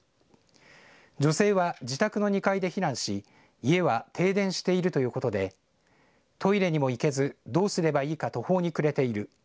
女性は自宅の２階で避難し家は停電しているということでトイレにも行けずどうすればいいか途方に暮れている。